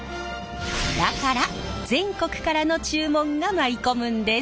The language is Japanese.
だから全国からの注文が舞い込むんです。